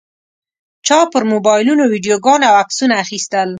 چا پر موبایلونو ویډیوګانې او عکسونه اخیستل.